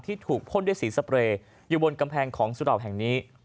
ถูกพ่นด้วยสีสเปรย์อยู่บนกำแพงของสุเหล่าแห่งนี้